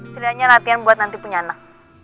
setidaknya latihan buat nanti punya anak